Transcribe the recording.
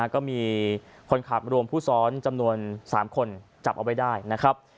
ก็มีคนขับรวมผู้ซ้อนจำนวน๓คนจับเอาไว้ได้นะครับ